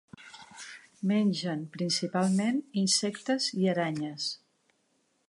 Mengen principalment insectes i aranyes.